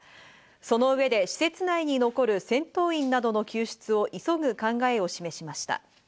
その上で施設内に残る戦闘員などの救出を急ぐ考えを示しました。